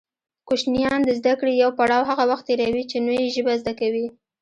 کوشنیان د زده کړې يو پړاو هغه وخت تېروي چې نوې ژبه زده کوي